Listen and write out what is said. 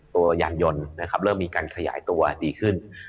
ตัวยานยนต์เริ่มมีการขยายตัวดีขึ้น